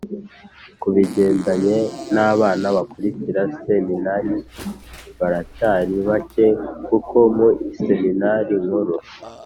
ku bigendanye n’abana bakurikira seminari baracyari bake, kuko mu i seminari nkuru